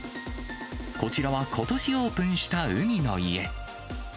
こちらは、ことしオープンした海の家。